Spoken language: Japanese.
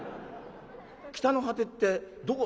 北の果てってどこ？